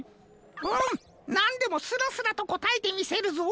うむなんでもスラスラとこたえてみせるぞ。